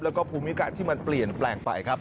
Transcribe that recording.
แล้วก็ภูมิการที่มันเปลี่ยนแปลงไปครับ